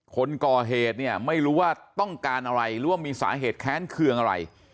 คนก่อเหตุเนี่ยไม่รู้ว่าต้องการอะไรหรือว่ามีสาเหตุแค้นเคืองอะไร